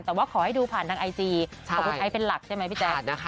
แต่ว่าขอให้ดูผ่านทางไอจีของคุณไอซ์เป็นหลักใช่ไหมพี่แจ๊คนะคะ